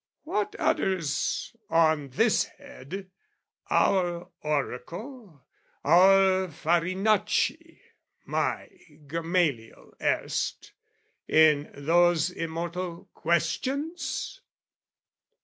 What utters, on this head, our oracle, Our Farinacci, my Gamaliel erst, In those immortal "Questions?"